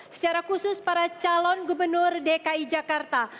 secara khusus para calon gubernur dki jakarta